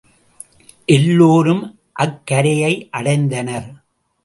எல்லோரும் அக்கரையை அடைந்தனர்.